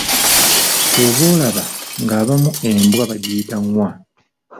Ky'ova olaba ng'abamu embwa bagiyita Ngwa.